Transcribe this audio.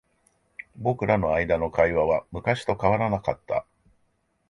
僕らの間の会話は昔と変わらなかった。